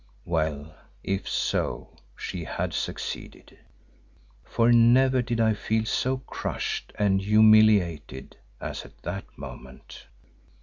Well, if so she had succeeded, for never did I feel so crushed and humiliated as at that moment.